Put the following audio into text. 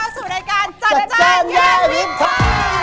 จัดจานยานวิภา